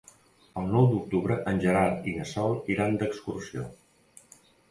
El nou d'octubre en Gerard i na Sol iran d'excursió.